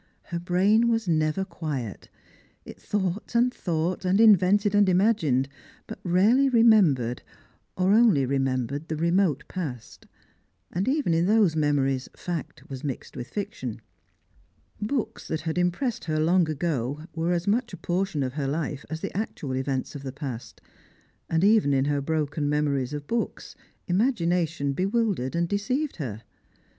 Her brain was never quiet. It thought and thought, and invented and imagined, but rarely remem bered, or only remembered the remote past ; and even in those memories fact was mixed with fiction. Books that had impressed her long ago were as much a portion of her life as the actual events of the past ; and even in her broken memories of books, imagination bewildered and deceived her.